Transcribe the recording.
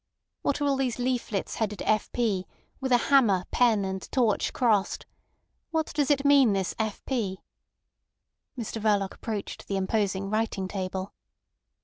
"What are all these leaflets headed F. P., with a hammer, pen, and torch crossed? What does it mean, this F. P.?" Mr Verloc approached the imposing writing table.